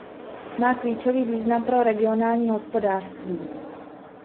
Má klíčový význam pro regionální hospodářství.